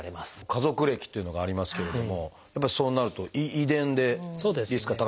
家族歴っていうのがありますけれどもやっぱりそうなると遺伝でリスクが高くなる？